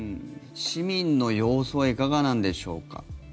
市民の様子はいかがなんでしょうか。